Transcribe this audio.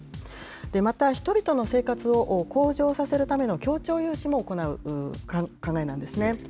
また、人々の生活を向上させるための協調融資も行う考えなんですね。